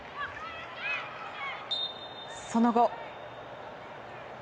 その後。